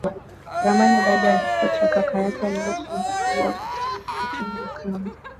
ramaniBaada ya kifo cha kaka yake alirithi shamba kubwa pamoja na watumwa akawa